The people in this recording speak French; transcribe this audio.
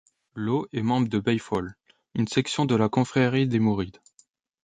Lô est membre de Baye Fall, une section de la confrérie des Mourides.